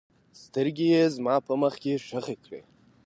سترګې یې زما په مخ کې ښخې کړې.